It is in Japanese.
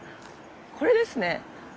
これですね。